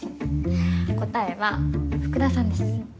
答えは福田さんです。